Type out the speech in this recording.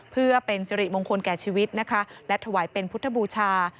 เพื่อเป็นสิริมงคลแก่ชีวิตนะคะและถวายเป็นพุทธบูชา